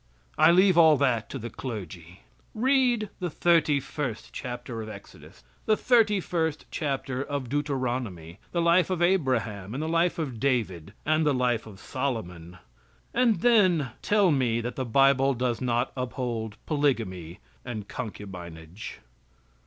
I leave all that to the clergy. Read the 31st chapter of Exodus, the 31st chapter of Deuteronomy, the life of Abraham, and the life of David, and the life of Solomon, and then tell me that the bible does not uphold polygamy and concubinage!